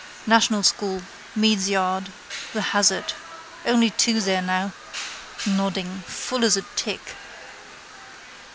National school. Meade's yard. The hazard. Only two there now. Nodding. Full as a tick.